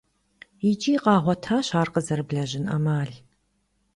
ИкӀи къагъуэтащ ар къызэрыблэжьын Ӏэмал.